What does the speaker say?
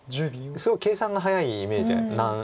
すごく計算が早いイメージ。